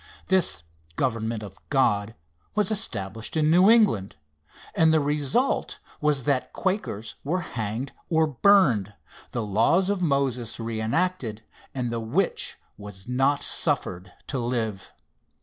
This government of God was established in New England, and the result was that Quakers were hanged or burned the laws of Moses re enacted and the "witch was not suffered to live."